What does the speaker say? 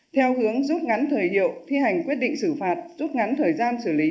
theo hướng rút ngắn thời hiệu thi hành quyết định xử phạt rút ngắn thời gian xử lý